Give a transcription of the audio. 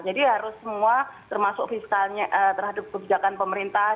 jadi harus semua termasuk fiskalnya terhadap kebijakan pemerintah